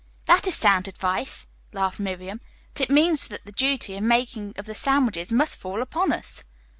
"That is sound advice," laughed Miriam, "but it means that the duty of making of the sandwiches must fall upon us."